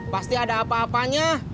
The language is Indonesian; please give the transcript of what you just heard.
pasti ada apa apanya